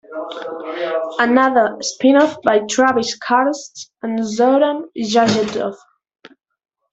Another spin-off by Travis Charest and Zoran Janjetov.